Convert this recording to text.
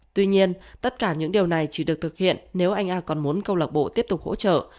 tuy nhiên tất cả những điều này chỉ được thực hiện nếu anh a còn muốn câu lạc bộ tiếp tục hỗ trợ